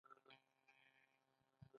آزاد تجارت مهم دی ځکه چې اقتصادي وده زیاتوي.